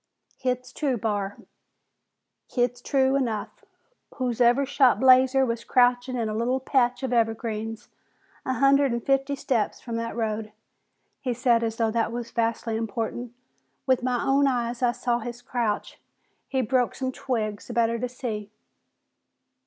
"Hit's true, Barr. Hit's true enough. Whosoever shot Blazer was crouchin' in a little patch of evergreens a hunnert an' fifty steps from the road." He said, as though that was vastly important, "With my own eyes I saw his crouch. He broke some twigs the better to see."